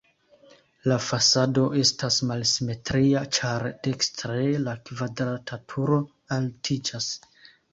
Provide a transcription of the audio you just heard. La fasado estas malsimetria, ĉar dekstre la kvadrata turo altiĝas.